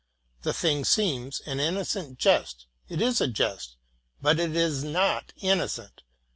'* The thing seems an innocent jest: it is a jest, but it is not innocent.